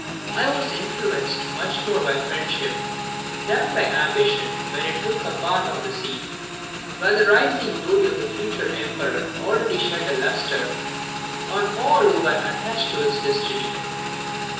I was influenced much more by friendship than by ambition when I took a part on the scene where the rising glory of the future Emperor already shed a lustre on all who were attached to his destiny.